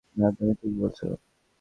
না, তুমি ঠিক বলছো।